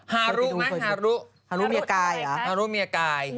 ฮารุนะฮารุฮารุเมียกาย